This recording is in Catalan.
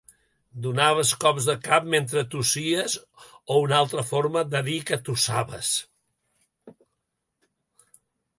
Donaves cops de cap mentre tossies o una altra forma de dir que tossaves.